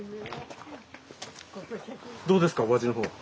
どうですかお味の方は。